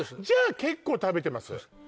じゃあ結構食べてます